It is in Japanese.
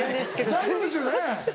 大丈夫ですよね？